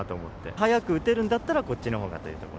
早く打てるんだったらこっちのほうがというところ。